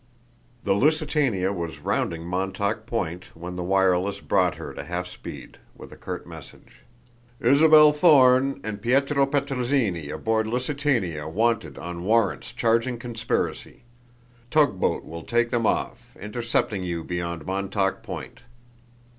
The Lusitania was rounding Montauk Point when the wireless brought her to half speed with a curt message: "Isabel Thorne and Pietro Petrozinni aboard Lusitania wanted on warrants charging conspiracy. Tug boat will take them off, intercepting you beyond Montauk Point.